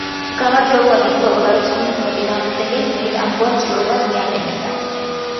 გამარჯვებულად ითვლებოდა ის, ვინც მოწინააღმდეგეს მეტ ამგვარ ჭრილობას მიაყენებდა.